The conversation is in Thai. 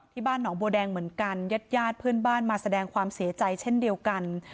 บ้านหนองบัวแดงเหมือนกันญาติญาติเพื่อนบ้านมาแสดงความเสียใจเช่นเดียวกัน